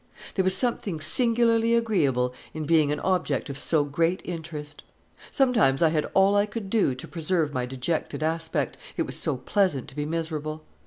There was something singularly agreeable in being an object of so great interest. Sometimes I had all I could do to preserve my dejected aspect, it was so pleasant to be miserable.